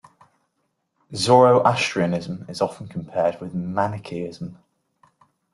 Zoroastrianism is often compared with the Manichaeism.